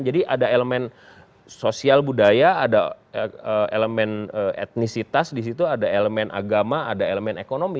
jadi ada elemen sosial budaya ada elemen etnisitas di situ ada elemen agama ada elemen ekonomi